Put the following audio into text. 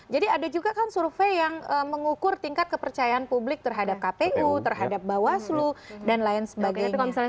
jadi ada juga survei yang mengukur tingkat kepercayaan publik terhadap kpu terhadap bawaslu dan lain sebagainya